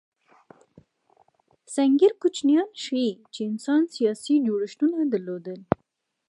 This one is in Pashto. سنګیر کوچنیان ښيي، چې انسان سیاسي جوړښتونه درلودل.